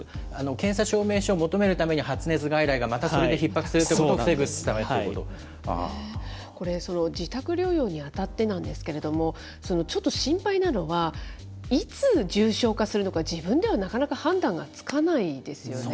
検査証明書を求めるために発熱外来がそれでひっ迫するというこれ、自宅療養にあたってなんですけれども、ちょっと心配なのは、いつ重症化するのか、自分ではなかなか判断がつかないですよね。